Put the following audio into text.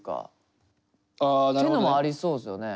ってのもありそうっすよね。